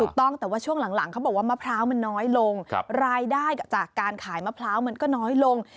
ถูกต้องแต่ว่าช่วงหลังเขาบอกว่ามะพร้าวมันน้อยลงรายได้จากการขายมะพร้าวมันก็น้อยลง